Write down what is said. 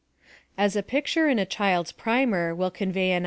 As a picture in a child's prin er will convey an • Lev.